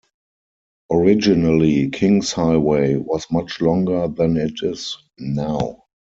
Originally, Kings Highway was much longer than it is now.